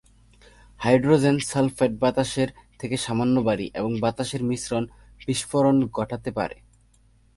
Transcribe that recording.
Hydrogen sulphide বাতাসের থেকে সামান্য ভারী; এবং বাতাসের মিশ্রণ বিস্ফোরণ ঘটাতে পারে।